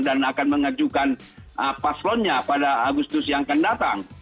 dan akan mengajukan paslonnya pada agustus yang akan datang